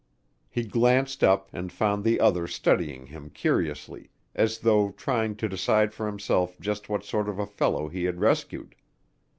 He glanced up and found the other studying him curiously as though trying to decide for himself just what sort of a fellow he had rescued.